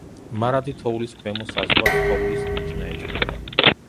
მარადი თოვლის ქვემო საზღვარს თოვლის მიჯნა ეწოდება.